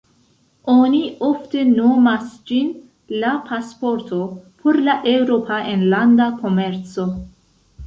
Oni ofte nomas ĝin la "pasporto" por la Eŭropa enlanda komerco.